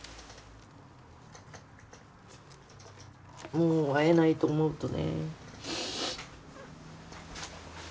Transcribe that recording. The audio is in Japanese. もう会えないと思うとね。